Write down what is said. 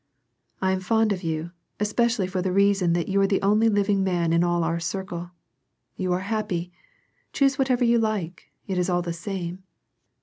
" I am fond of you, especially for the reason that you are the only living man in all our circle. You are happy. Choose whatever you like, it is all the same.